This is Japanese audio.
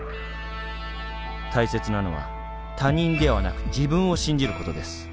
「大切なのは他人ではなく自分を信じることです。